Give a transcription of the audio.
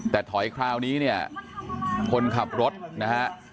แต่ถอยคราวนี้เนี่ยคนขับรถนะฮะ